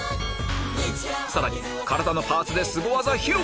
さらに体のパーツですご技披露！